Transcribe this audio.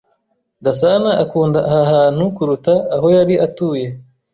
Gasana akunda aha hantu kuruta aho yari atuye.